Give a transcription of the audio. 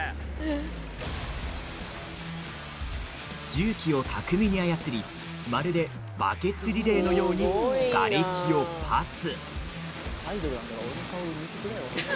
重機を巧みに操りまるでバケツリレーのようにがれきをパス。